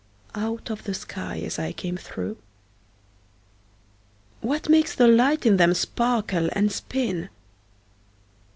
Out of the sky as I came through. What makes the light in them sparkle and spin?